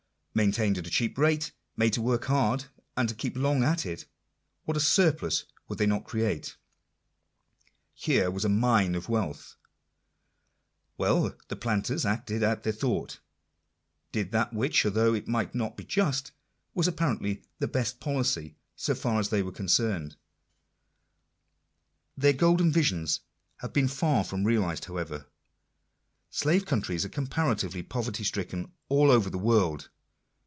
Maintained at a cheap rate; made to work hard, and to keep long at it, what a surplus would they not create ! Here was a mine of wealth ! Well : the planters acted out their thought — did that which, although it might not be just, was apparently " the best policy," so far as they were concerned. Their golden visions have been far from realized however. Slave countries are comparatively poverty stricken all over the world.